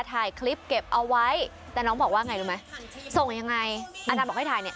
ถ่ายคลิปเก็บเอาไว้แต่น้องบอกว่าไงรู้ไหมส่งยังไงอาจารย์บอกให้ถ่ายเนี่ย